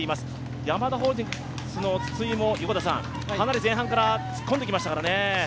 ヤマダホールディングスの筒井もかなり前半から突っ込んできましたからね。